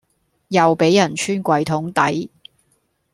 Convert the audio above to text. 又俾人穿櫃桶底